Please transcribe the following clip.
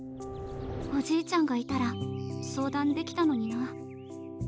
おじいちゃんがいたら相談できたのにな。